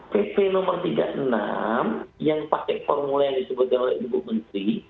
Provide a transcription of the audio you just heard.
pp no tiga puluh enam yang pakai formula yang disebutkan oleh ibu menteri